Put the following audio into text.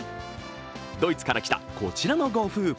ドイツから来たこちらのご夫婦。